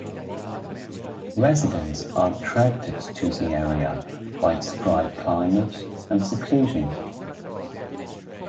Residents are attracted to the area by its dry climate and seclusion.